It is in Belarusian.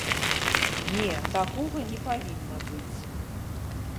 Не, такога не павінна быць!